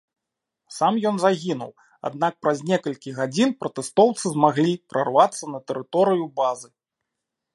Сам ён загінуў, аднак праз некалькі гадзін пратэстоўцы змаглі прарвацца на тэрыторыю базы.